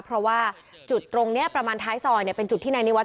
เพราะว่าจุดตรงนี้ประมาณท้ายซอยเป็นจุดที่นายนิวัฒ